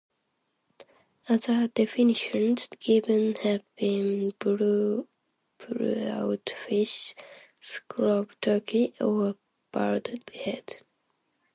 Other definitions given have been 'bullrout fish', 'scrub turkey' or 'bald head'.